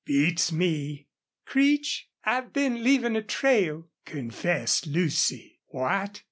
Beats me!" "Creech, I've been leaving a trail," confessed Lucy. "What!"